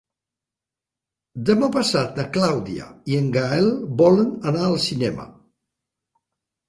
Demà passat na Clàudia i en Gaël volen anar al cinema.